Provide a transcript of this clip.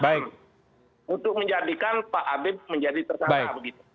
bermula untuk menjadikan pak abid menjadi tersangka begitu